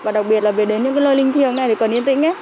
và đặc biệt là về đến những cái nơi linh thiêng này thì cần yên tĩnh ấy